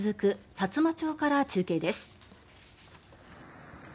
さつま町から中継です。